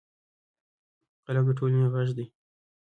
قلم د ټولنې غږ دی